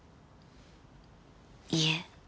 いえ。